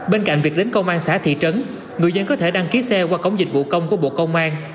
bên cạnh việc đến công an xã thị trấn người dân có thể đăng ký xe qua cổng dịch vụ công của bộ công an